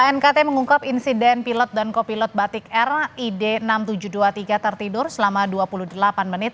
knkt mengungkap insiden pilot dan kopilot batik air id enam ribu tujuh ratus dua puluh tiga tertidur selama dua puluh delapan menit